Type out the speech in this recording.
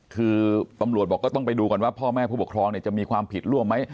คือตำรวจบอกก็ต้องไปดูก่อนว่าพ่อแม่ผู้ปกครองจะมีความผิดร่วมไหม